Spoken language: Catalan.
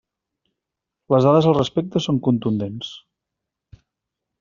Les dades al respecte són contundents.